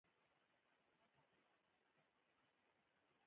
نور یې مخ په کور روان کړل او په لاره شو.